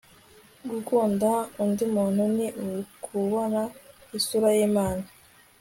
gukunda undi muntu ni ukubona isura y'imana